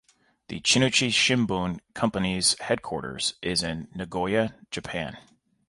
The Chunichi Shimbun Company's headquarters is in Nagoya, Japan.